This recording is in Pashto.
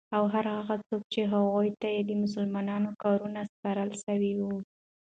او هر هغه څوک چی هغوی ته د مسلمانانو کارونه سپارل سوی وی